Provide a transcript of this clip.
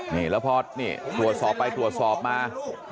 นี่ละพอดตรวจสอบไปตรวจสอบมา